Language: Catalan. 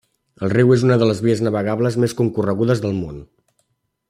El riu és una de les vies navegables més concorregudes del món.